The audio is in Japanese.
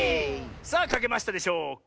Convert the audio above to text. さあかけましたでしょうか？